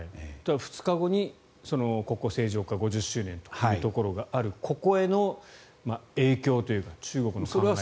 ２日後に国交正常化５０周年ということがあるここへの影響というか中国の考え方。